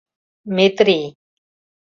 Метрий.